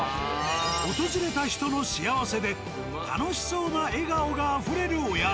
訪れた人の幸せで楽しそうな笑顔が溢れるお宿。